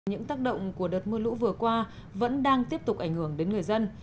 những tác động của đợt mưa lũ vừa qua vẫn đang tiếp tục ảnh hưởng đến người dân